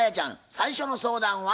最初の相談は？